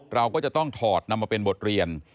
เราก็จะต้องถอดนำมาเป็นบทเรียน